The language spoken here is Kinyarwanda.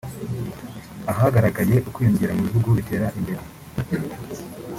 Ahagaragaye uku kwiyongera ni mu bihugu bitera imbere